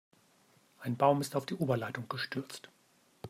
Ein Baum ist auf die Oberleitung gestürzt.